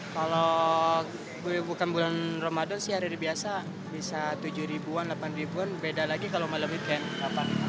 kalau bukan bulan ramadan sih hari biasa bisa tujuh ribuan delapan ribuan beda lagi kalau malam weekend